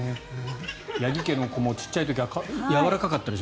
八木家の子どもも小さい時はやわらかかったでしょ？